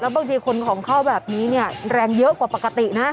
บางทีคนของเข้าแบบนี้เนี่ยแรงเยอะกว่าปกตินะ